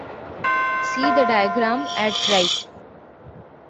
See the diagram at right.